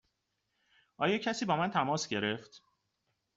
آیا کسی با من تماس گرفت؟